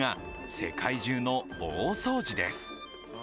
「世界中の大掃除です」